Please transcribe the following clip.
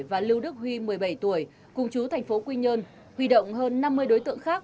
và lưu đức huy một mươi bảy tuổi cùng chú thành phố quy nhơn huy động hơn năm mươi đối tượng khác